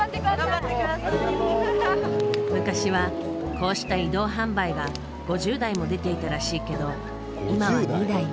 昔はこうした移動販売が５０台も出ていたらしいけど今は２台に。